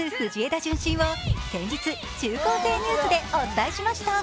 順心を先日、中高生ニュースでお伝えしました。